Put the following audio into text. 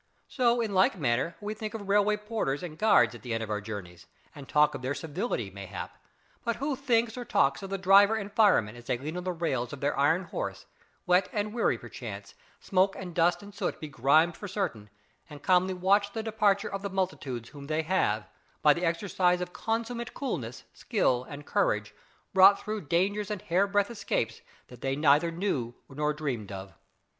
So in like manner we think of railway porters and guards at the end of our journeys, and talk of their civility mayhap, but who thinks or talks of the driver and fireman as they lean on the rails of their iron horse, wet and weary perchance smoke and dust and soot begrimed for certain and calmly watch the departure of the multitudes whom they have, by the exercise of consummate coolness, skill, and courage, brought through dangers and hairbreadth escapes that they neither knew nor dreamed of?